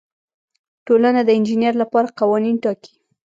ټولنه د انجینر لپاره قوانین ټاکي.